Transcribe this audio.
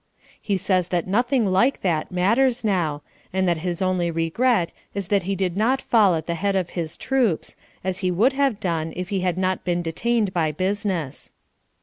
He says that nothing like that matters now, and that his only regret is that he did not fall at the head of his troops, as he would have done if he had not been detained by business.